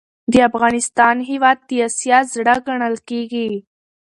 دافغانستان هیواد د اسیا زړه ګڼل کیږي.